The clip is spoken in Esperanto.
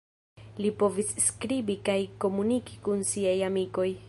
Li povis skribi kaj komuniki kun siaj amikoj.